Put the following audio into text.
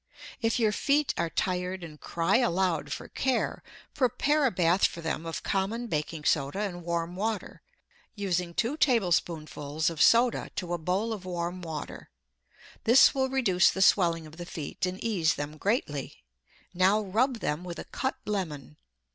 If your feet are tired and cry aloud for care, prepare a bath for them of common baking soda and warm water, using two tablespoonfuls of soda to a bowl of warm water. This will reduce the swelling of the feet and ease them greatly. Now rub them with a cut lemon.